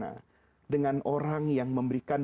dan bagaimana dengan orang yang memberikan